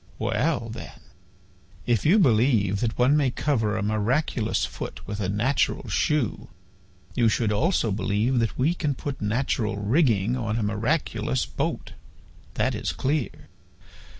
"Well, then, if you believe that one may cover a miraculous foot with a natural shoe, you should also believe that we can put natural rigging on a miraculous boat. That is clear.